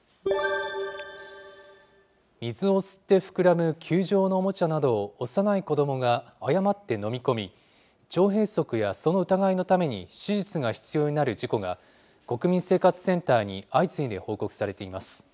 水を吸って膨らむ球状のおもちゃなどを、幼い子どもが誤って飲み込み、腸閉塞やその疑いのために手術が必要になる事故が国民生活センターに相次いで報告されています。